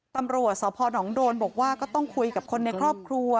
ตำรวจสพนโดนบอกว่าก็ต้องคุยกับคนในครอบครัว